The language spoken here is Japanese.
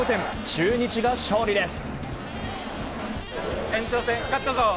中日が勝利です。